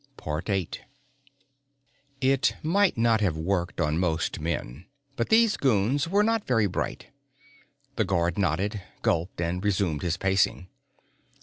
VIII It might not have worked on most men but these goons were not very bright. The guard nodded, gulped and resumed his pacing.